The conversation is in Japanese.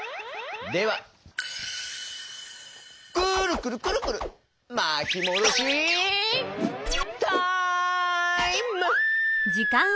ではくるくるくるくるまきもどしタイム！